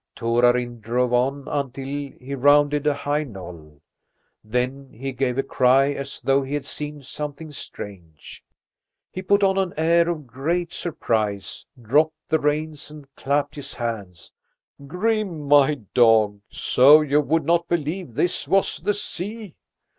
Torarin drove on, until he rounded a high knoll. Then he gave a cry as though he had seen something strange. He put on an air of great surprise, dropped the reins and clapped his hands. "Grim, my dog, so you would not believe this was the sea!